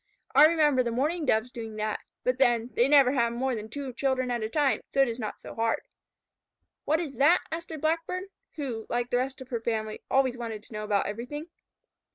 I remember the Mourning Doves doing that, but then, they never have more than two children at a time, so it is not so hard." "What is that?" asked a Blackbird, who, like the rest of her family, always wanted to know about everything.